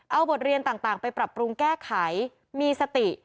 เอาบทเรียนต่างไปปรับปรุงแก้ไขมีสติ